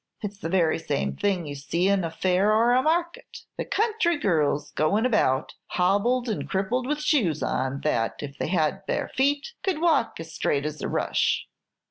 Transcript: It's the very same thing you see in a fair or a market, the country girls goin' about, hobbled and crippled with shoes on, that, if they had bare feet, could walk as straight as a rush.